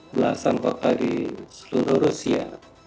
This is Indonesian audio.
belasan kota di seluruh rusia